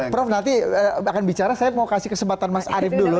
prof nanti akan bicara saya mau kasih kesempatan mas arief dulu